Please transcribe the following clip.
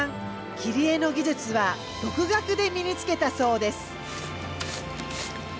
切り絵の技術は独学で身につけたそうです。